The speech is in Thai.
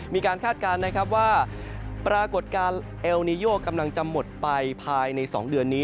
คาดการณ์นะครับว่าปรากฏการณ์เอลนิโยกำลังจะหมดไปภายใน๒เดือนนี้